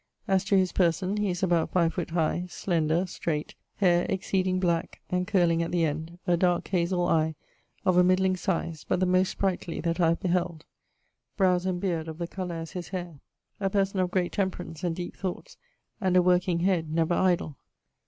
As to his person he is about 5 foot high, slender, strait, haire exceeding black and curling at the end, a dark hazell eie, of a midling size, but the most sprightly that I have beheld. Browes and beard of the colour as his haire. A person of great temperance, and deepe thoughts, and a working head, never idle.